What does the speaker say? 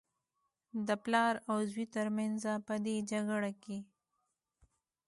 د پلار او زوى تر منځ په دې جګړه کې.